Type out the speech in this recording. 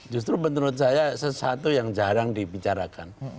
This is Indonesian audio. justru menurut saya sesuatu yang jarang dibicarakan